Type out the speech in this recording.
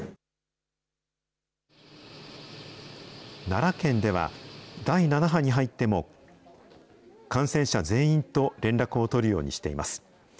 奈良県では、第７波に入っても、感染者全員と連絡を取るようにしています。